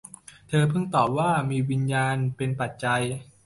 เธอพึงตอบว่า มีวิญญาณเป็นปัจจัย